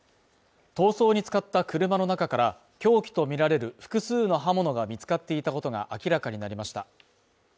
逃走に使った車の中から凶器とみられる複数の刃物が見つかっていたことが明らかになりました。